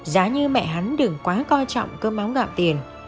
giá như mẹ hắn đừng quá coi trọng cơm áo gạm tiền